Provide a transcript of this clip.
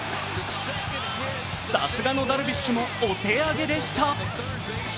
さすがのダルビッシュもお手上げでした。